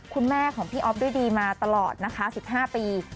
คุณแม่ของพี่อ๊อฟด้วยดีมาตลอดนะคะ๑๕ปี